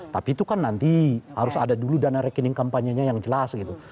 tapi itu kan nanti harus ada dulu dana rekening kampanye nya yang jelas gitu